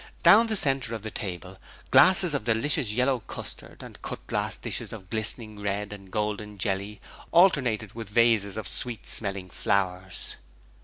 Down the centre of the table glasses of delicious yellow custard and cut glass dishes of glistening red and golden jelly alternated with vases of sweet smelling flowers.